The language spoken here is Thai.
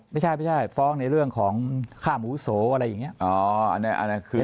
ไม่ใช่ฟ้องในเรื่องของข้ามอุโสอะไรอย่างเนี่ย